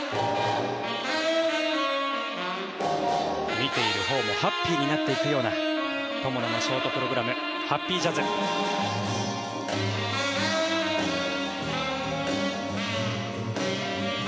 見ているほうもハッピーになっていくような友野のショートプログラム「ＨａｐｐｙＪａｚｚ」。